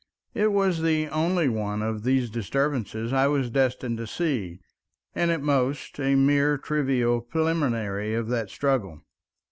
It was the only one of these disturbances I was destined to see, and at most a mere trivial preliminary of that struggle.